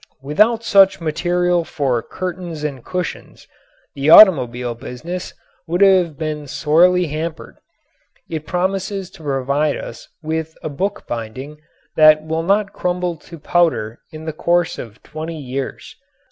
Without such material for curtains and cushions the automobile business would have been sorely hampered. It promises to provide us with a book binding that will not crumble to powder in the course of twenty years.